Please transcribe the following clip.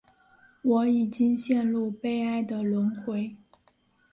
我已经陷入悲哀的轮回